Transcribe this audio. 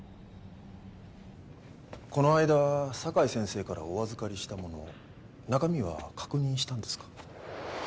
この間酒井先生からお預かりしたもの中身は確認したんですか？